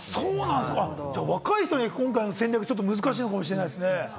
若い人に今回の戦略、難しいかもしれないですね。